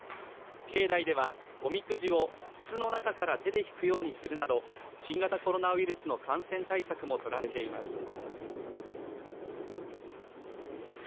境内では、おみくじを筒の中から手で引くようにするなど新型コロナウイルスの感染対策も取られています。